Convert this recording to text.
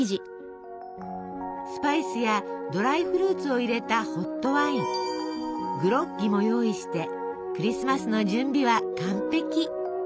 スパイスやドライフルーツを入れたホットワイングロッギも用意してクリスマスの準備は完璧！